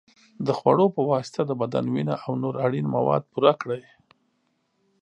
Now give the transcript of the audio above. د خوړو په واسطه د بدن وینه او نور اړین مواد پوره کړئ.